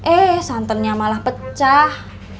eh santannya malah pecah